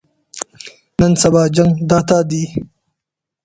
نن سبا جنګ د ډاټا دی.